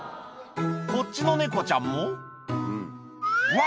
こっちの猫ちゃんもうわ！